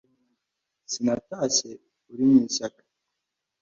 sinatashye uri mu ishyaka